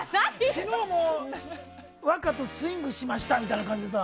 昨日も若とスイングしましたみたいにさ。